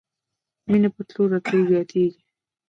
مینه په تلو راتلو زیاتیږي.